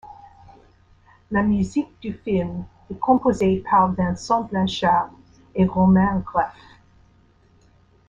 La musique du film est composée par Vincent Blanchard et Romain Greffe.